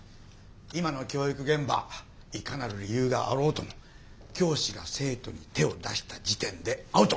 今の教育現場いかなる理由があろうとも教師が生徒に手を出した時点でアウト。